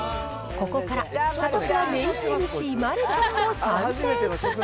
ここから、サタプラメインＭＣ、丸ちゃんも参戦。